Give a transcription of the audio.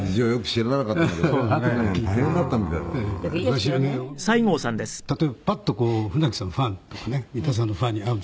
本当に例えばパッとこう舟木さんのファンとかね三田さんのファンに会うでしょ」